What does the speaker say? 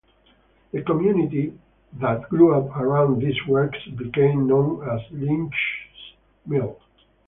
The community that grew up around these works became known as Lynch's Mill.